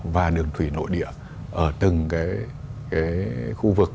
và đường thủy nội địa ở từng khu vực